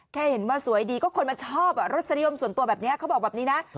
แค่เห็นว่าสวยดีก็คนมาชอบรสนิยมส่วนตัวแบบนี้เขาบอกแบบนี้นะ